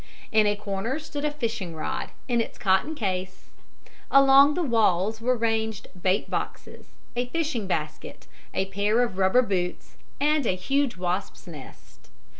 In a corner stood a fishing rod in its cotton case; along the wall were ranged bait boxes, a fishing basket, a pair of rubber boots, and a huge wasp's nest.